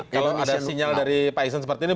kalau ada sinyal dari pak iksan seperti ini